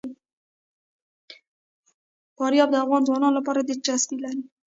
فاریاب د افغان ځوانانو لپاره دلچسپي لري.